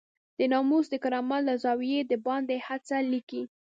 د ناموس د کرامت له زاويې دباندې هغه څه ليکي.